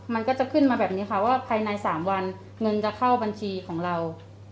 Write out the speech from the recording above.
มันก็จะขึ้นมาแบบนี้ค่ะว่าภายใน๓วันเงินจะเข้าบัญชีของเรา